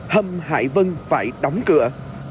hầm hải vân phải đóng cửa